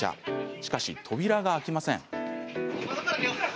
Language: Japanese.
しかし、扉が開きません。